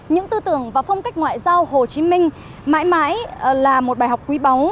những tư tưởng và phong cách ngoại giao hồ chí minh mãi mãi là một bài học quý báu